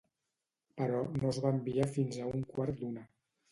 Però no es va enviar fins a un quart d'una.